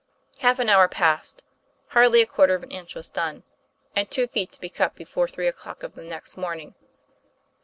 Half an hour passed; hardly a quarter of an inch was done, and two feet to be cut before three o'clock of the next morning.